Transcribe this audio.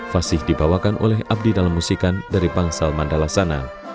fasih dibawakan oleh abdi dalemusikan dari bangsal mandala sana